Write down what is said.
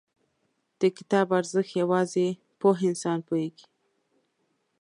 • د کتاب ارزښت، یوازې پوه انسان پوهېږي.